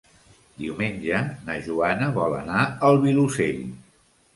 Diumenge na Joana vol anar al Vilosell.